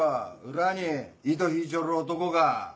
裏に糸引いちょる男が！